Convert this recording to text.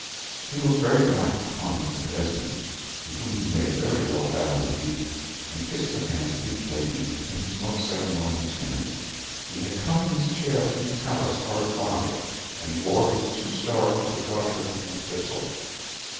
He looked very black upon Mr. Esmond, to whom he made a very low bow indeed, and kissed the hand of each lady in his most ceremonious manner. He had come in his chair from the palace hard by, and wore his two stars of the Garter and the Thistle.